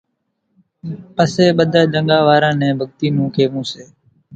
پسي ٻڌانئين ۮنڳا واران نين ڀڳتي نون ڪيوون سي،